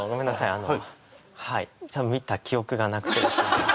あのはい多分見た記憶がなくてですね